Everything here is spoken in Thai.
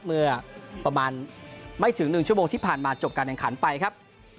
เมื่อประมาณไม่ถึง๑ชั่วโมงที่ผ่านมาจบการแข่งขันไปครับ